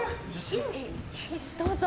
どうぞ。